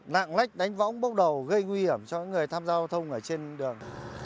lạng lách đánh võng bốc đầu gây nguy hiểm